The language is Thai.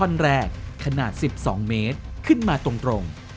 ท่อนแรกขนาด๑๒เมตรขึ้นมาตรง